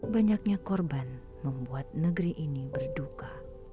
banyaknya korban membuat negeri ini berduka